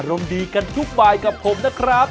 รมดีกันทุกบายกับผมนะครับ